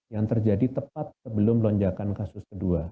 yang terjadi tepat sebelum lonjakan kasus kedua